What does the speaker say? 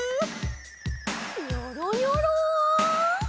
ニョロニョロ。